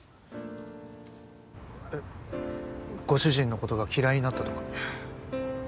えっご主人のことが嫌いになったとか？